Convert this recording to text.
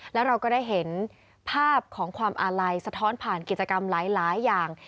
แล้วเราก็ได้เห็นภาพของความอาลัยสะท้อนผ่านกิจกรรมหลายอย่าง